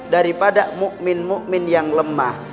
daripada mu'min mu'min yang lemah